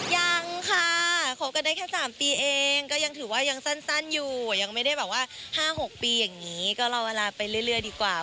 ยังค่ะคบกันได้แค่๓ปีเองก็ยังถือว่ายังสั้นอยู่ยังไม่ได้แบบว่า๕๖ปีอย่างนี้ก็รอเวลาไปเรื่อยดีกว่า